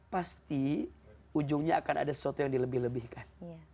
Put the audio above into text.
pasti ujungnya akan ada sesuatu yang dilebih lebihkan